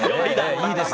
いいです。